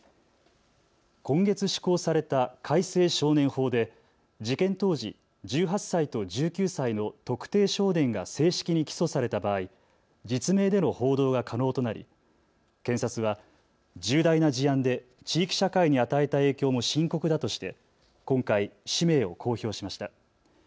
今月施行された改正少年法で事件当時、１８歳と１９歳の特定少年が正式に起訴された場合、実名での報道が可能となり検察は重大な事案で地域社会に与えた影響も深刻だとして今回、氏名を公表しました。